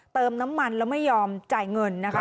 เติมน้ำมันแล้วไม่ยอมจ่ายเงินนะคะ